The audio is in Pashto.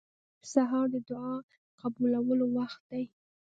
سهار د دعا قبولو وخت دی.